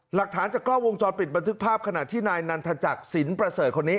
หลักฐานจากกล้องวงจรปิดบันทึกภาพขณะที่นายนันทจักรสินประเสริฐคนนี้